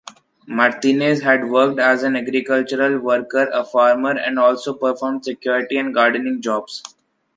Martínez had worked as an agricultural worker, a farmer, and also performed security and gardening jobs.